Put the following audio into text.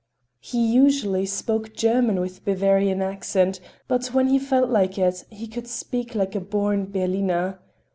He usually spoke German with a Bavarian accent, but when he felt like it, he could speak like a born Berliner.